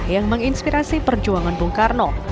yang menginspirasi perjuangan bung karno